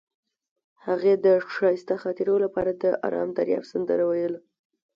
هغې د ښایسته خاطرو لپاره د آرام دریاب سندره ویله.